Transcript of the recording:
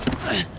はい。